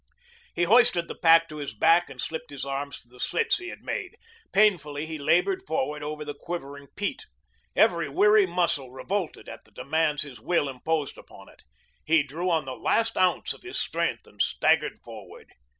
He hoisted the pack to his back and slipped his arms through the slits he had made. Painfully he labored forward over the quivering peat. Every weary muscle revolted at the demands his will imposed upon it. He drew on the last ounce of his strength and staggered forward.